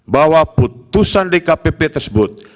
bahwa putusan dkpp tersebut